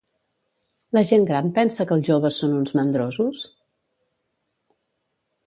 La gent gran pensa que els joves són uns mandrosos?